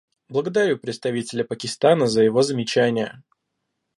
Благодарю представителя Пакистана за его замечания.